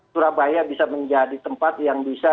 surabaya bisa menjadi tempat yang bisa